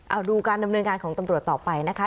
เอาดูการดำเนินการของตำรวจต่อไปนะคะ